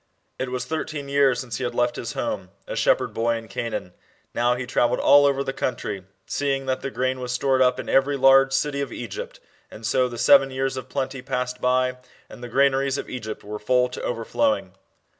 It was thirteen years since he had left his home, a shepherd boy in Canaan. Now he travelled all over the country, seeing that the grain was stored up in every large city of Egypt. And so the seven years of plenty passed by and the gran aries of Egypt were full to overflowing.